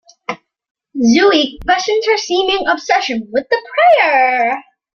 Zooey questions her seeming obsession with the prayer.